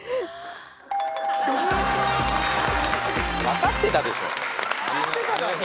分かってたでしょ。